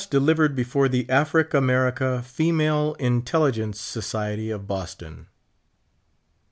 DELIVERED BEFORE THE AFRIC AMERICaI FEMALE IN TELLIGENCE SOCIETY OF BOSTON.